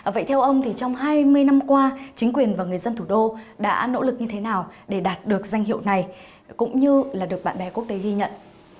vậy theo ông thì trong hai mươi năm qua chính quyền và người dân thủ đô đã nỗ lực như thế nào để đạt được danh hiệu này cũng như là được bạn bè quốc tế ghi nhận